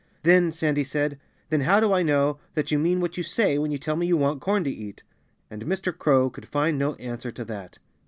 "Then " Sandy said "then how do I know that you mean what you say when you tell me you want corn to eat?" And Mr. Crow could find no answer to that.